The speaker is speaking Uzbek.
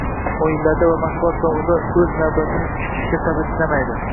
o‘yinlarda va mashg‘ulot chog‘ida o‘z navbatini kutishga sabri chidamaydi